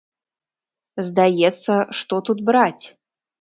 Здаецца, што тут браць?